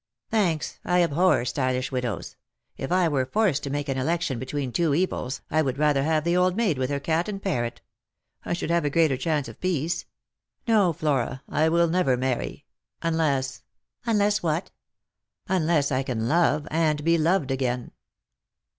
" Thanks. I abhor stylish widows. If I were forced to make an election between two evils, I would rather have the old maid with her cat and parrot. I should have a greater chance of peace. No, Flora, I will never marry, unless "" Unless what ?"" Unless I can love, and be loved again."